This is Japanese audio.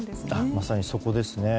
まさにそこですね。